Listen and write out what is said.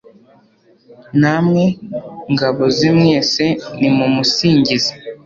namwe, ngabo ze mwese nimumusingize